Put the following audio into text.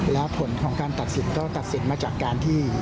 และผลของการตัดสิทธิ์ก็ตัดสิทธิ์มาจากการที่